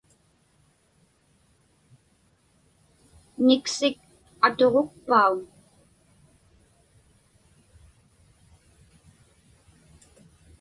Niksik atuġukpauŋ?